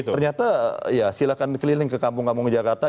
ternyata ya silahkan keliling ke kampung kampung jakarta